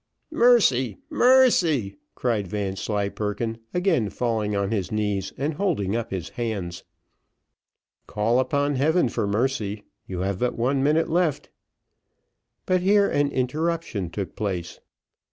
"Mercy, mercy," cried Vanslyperken, again falling on his knees, and holding up his hands. "Call upon Heaven for mercy, you have but one minute left." But here an interruption took place.